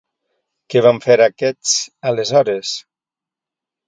Què van fer aquests aleshores?